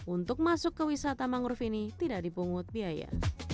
untuk masuk ke wisata mangrove ini tidak dipungut biaya